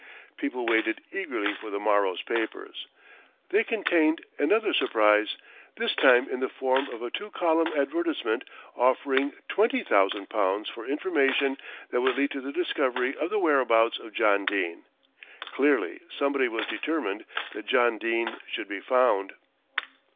People waited eagerly for the morrow's papers. They contained another surprise, this time in the form of a two column advertisement, offering £20,000 for information that would lead to the discovery of the whereabouts of John Dene. Clearly somebody was determined that John Dene should be found.